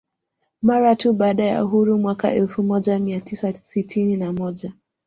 Mara tu baada ya uhuru mwaka elfu moja mia tisa sitini na moja